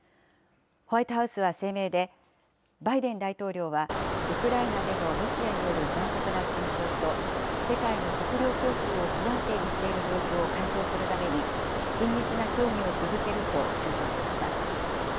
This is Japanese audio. ホワイトハウスは声明で、バイデン大統領はウクライナでのロシアによる残酷な戦争と、世界の食糧供給を不安定にしている状況を解消するために、緊密な協議を続けると強調しました。